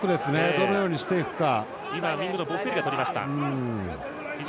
どのようにしていくか。